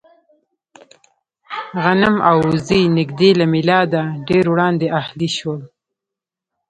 غنم او اوزې نږدې له مېلاده ډېر وړاندې اهلي شول.